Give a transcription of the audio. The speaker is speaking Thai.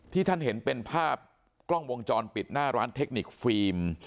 ท่านเห็นเป็นภาพกล้องวงจรปิดหน้าร้านเทคนิคฟิล์ม